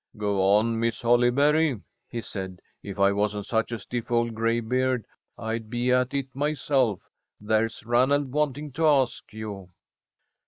"Go on, Miss Holly berry," he said. "If I wasn't such a stiff old graybeard, I'd be at it myself. There's Ranald wanting to ask you."